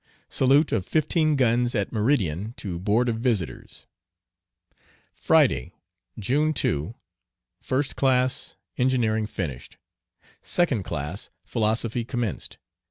Salute of fifteen guns at meridian to Board of Visitors. Friday, June 2. First class, engineering finished. Second class, philosophy commenced.